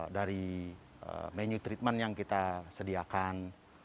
dari menu treatment yang kita sediakan